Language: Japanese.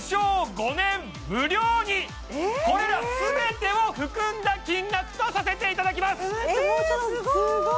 ５年無料にこれら全てを含んだ金額とさせていただきますえー